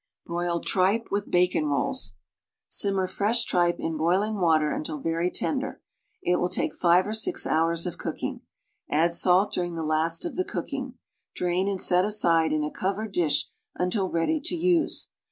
BROILED TRIPE WITH BACON ROLLS Simmer fresh tripe in boiling water until very tender (it will take five or six hours of cooking), add salt during the last of the cooking. Drain and set aside in a covered dish until ready to use.